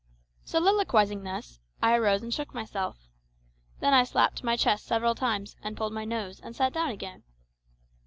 Soliloquising thus, I arose and shook myself. Then I slapped my chest several times and pulled my nose and sat down again.